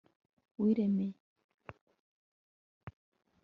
wiremeye